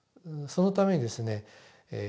そのためにですね